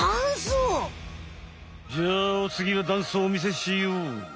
じゃあおつぎはダンスをおみせしよう。